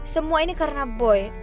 semua ini karena boy